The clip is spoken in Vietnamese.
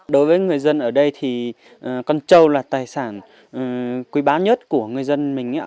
đối với người dân ở đây thì con trâu là tài sản quý bá nhất của người dân mình